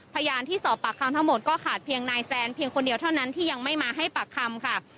พยานที่สอบปากคำทั้งหมดก็ขาดเพียงนายแซนเพียงคนเดียวเท่านั้นที่ยังไม่มาให้ปากคำค่ะ